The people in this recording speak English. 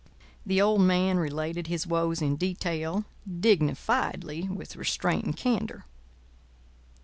The old man related his woes in detail, dignifiedly, with restraint and candour.